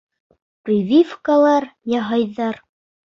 Прививкалар яһайҙар.